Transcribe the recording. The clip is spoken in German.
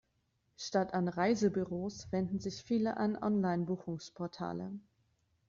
Statt an Reisebüros wenden sich viele an Online-Buchungsportale.